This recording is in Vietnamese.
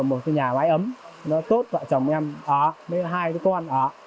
một cái nhà mái ấm nó tốt vợ chồng em đó bên hai cái con đó